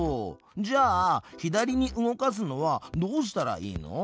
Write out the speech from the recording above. じゃあ左に動かすのはどうしたらいいの？